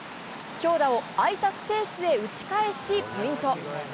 強打を空いたスペースへ打ち返し、ポイント。